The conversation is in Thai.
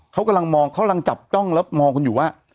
เขากำลังมองเขากำลังจับจ้องแล้วมองคุณอยู่ว่า